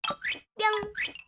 ぴょん！